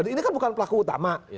ini kan bukan pelaku utama